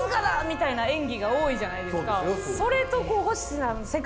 みたいな演技が多いじゃないですか。